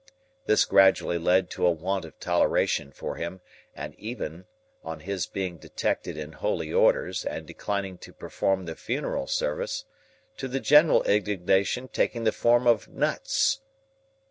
This gradually led to a want of toleration for him, and even—on his being detected in holy orders, and declining to perform the funeral service—to the general indignation taking the form of nuts.